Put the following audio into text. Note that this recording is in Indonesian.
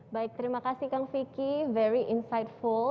baik terima kasih kang vicky very insightful